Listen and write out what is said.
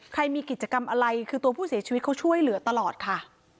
มีกิจกรรมอะไรคือตัวผู้เสียชีวิตเขาช่วยเหลือตลอดค่ะ